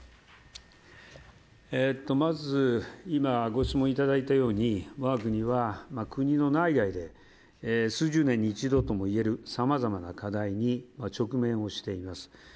まず今ご質問いただいたように我が国は、国の内外で数十年に一度ともいえるさまざまな課題に直面をしています。